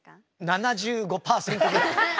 ７５％ぐらい。